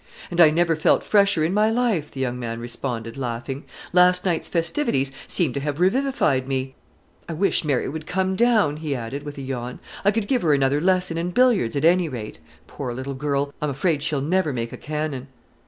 "And I never felt fresher in my life," the young man responded, laughing; "last night's festivities seem to have revivified me. I wish Mary would come down," he added, with a yawn; "I could give her another lesson in billiards, at any rate. Poor little girl, I am afraid she'll never make a cannon."